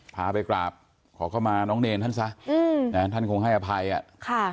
พาไปกราบขอเข้ามาน้องเนรท่านซะอืมนะท่านคงให้อภัยอ่ะค่ะ